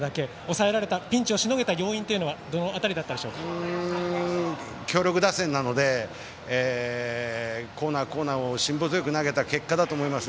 抑えられたピンチをしのげた要因は強力打線なのでコーナー、コーナーを辛抱強く投げた結果だと思います。